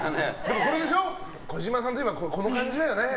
児嶋さんといえばこの感じだよね。